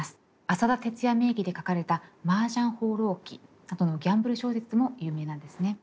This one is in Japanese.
阿佐田哲也名義で書かれた「麻雀放浪記」などのギャンブル小説も有名なんですね。